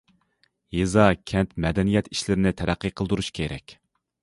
يېزا- كەنت مەدەنىيەت ئىشلىرىنى تەرەققىي قىلدۇرۇش كېرەك.